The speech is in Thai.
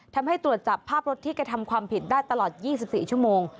ทำให้ตรวจจับภาพรถที่กระทำความผิดได้ตลอด๒๔ชั่วโมง